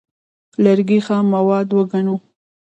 لرګي خام مواد وګڼو.